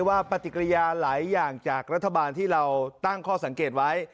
ปฏิกิริยาหลายอย่างจากรัฐบาลที่เราตั้งข้อสังเกตไว้